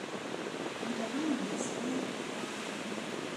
Nebɣa ad d-tasem ɣer tmeɣra-nneɣ.